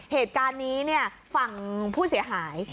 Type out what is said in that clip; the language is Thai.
เหตุการณ์นี้ฝั่งผู้เสียหาย